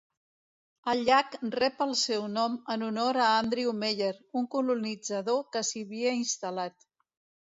El llac rep el seu nom en honor a Andrew Meyer, un colonitzador que s'hi havia instal·lat.